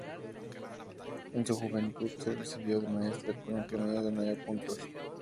En su juventud se recibió de maestra con un promedio de nueve puntos.